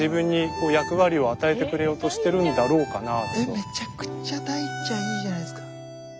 めちゃくちゃ大ちゃんいいじゃないですか。